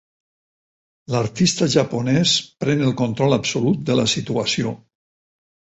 L'artista japonès pren el control absolut de la situació.